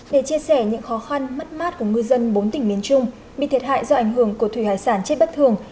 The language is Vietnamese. để chia sẻ những khó khăn mất mát của ngư dân bốn tỉnh miền trung bị thiệt hại do ảnh hưởng của thủy hải sản chết bất thường